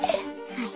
はい。